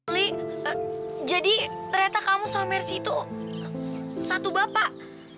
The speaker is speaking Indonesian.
li jadi ternyata kamu sama mercy tuh satu bapak